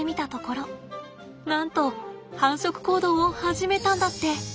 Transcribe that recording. なんと繁殖行動を始めたんだって。